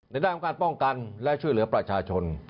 ในด้านของการป้องกันและช่วยเหลือประชาชน